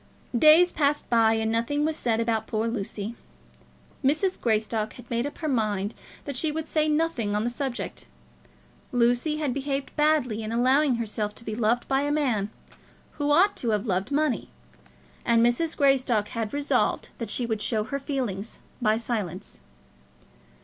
Days passed by, and nothing was said about poor Lucy. Mrs. Greystock had made up her mind that she would say nothing on the subject. Lucy had behaved badly in allowing herself to be loved by a man who ought to have loved money, and Mrs. Greystock had resolved that she would show her feelings by silence.